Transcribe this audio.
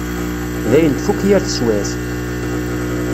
Dayen tfukk yir teswiɛt.